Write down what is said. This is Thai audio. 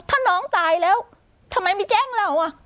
ถ้าน้องตายแล้วทำไมไม่แจ้งเรา